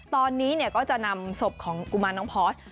ตอนนี้ก็จะนำศพของกุมารน้องพอร์ส